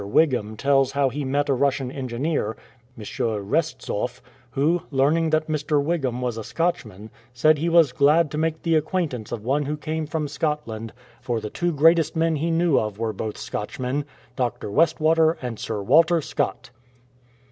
Whigham tells how he met a Russian engineer, M. RestzofF, who, learning that Mr. Whigham was a Scotchman, said he was glad to make the acquaintance of one who came from 95 RUSSO JAPANESE WAR Scotland, for the two greatest men he knew of were both Scotchmen — Dr. West water and Sir Walter Scott